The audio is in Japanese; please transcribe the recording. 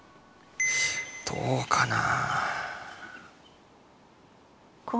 どうかな？